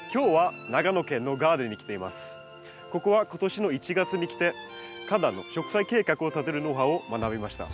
ここは今年の１月に来て花壇の植栽計画を立てるノウハウを学びました。